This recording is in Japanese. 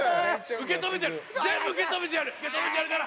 受け止めてやるから！